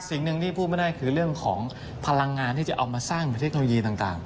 สิ่งหนึ่งที่พูดไม่ได้คือเรื่องของพลังงานที่จะเอามาสร้างเทคโนโลยีต่าง